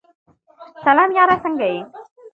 سلام یاره سنګه یی ؟